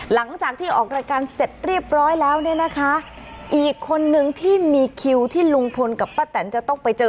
หลังจากที่ออกรายการเสร็จเรียบร้อยแล้วเนี่ยนะคะอีกคนนึงที่มีคิวที่ลุงพลกับป้าแตนจะต้องไปเจอ